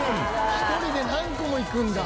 １人で何個もいくんだ。